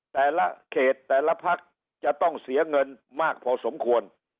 แต่ละเขตแต่ละพักจะต้องเสียเงินมากพอสมควร